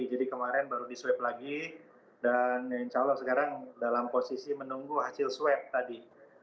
jadi kemarin baru diswab lagi dan insya allah sekarang dalam posisi menunggu hasil swab tadi